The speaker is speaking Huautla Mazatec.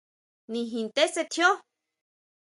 Nijin tesetjio.